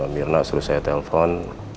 mirna suruh saya telepon